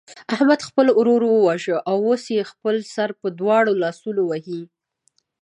احمد خپل ورور وواژه او اوس خپل سر په دواړو لاسونو وهي.